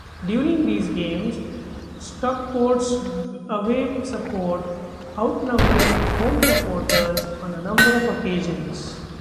During these games Stockport's away support outnumbering home supporters on a number of occasions.